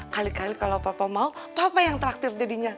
kali kali kalau papa mau papa yang terakhir jadinya